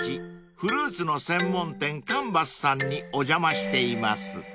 フルーツの専門店ｃａｎｖａｓさんにお邪魔しています］